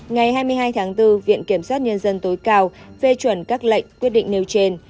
ngày hai mươi hai tháng bốn viện kiểm sát nhân dân tối cao phê chuẩn các lệnh quyết định nêu trên